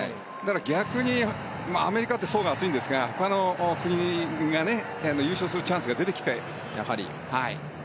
逆にアメリカって層が厚いんですが他の国が優勝するチャンスが出てきたと。